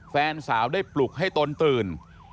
แฟนสาวได้ปลุกให้ตนตื่น